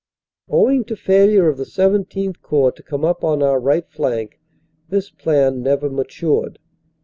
Owing to failure of the XVII Corps to come up on our right flank, this plan never matured.